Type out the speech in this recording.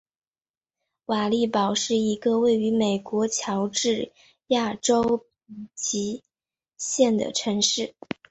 瓦利堡是一个位于美国乔治亚州皮奇县的城市。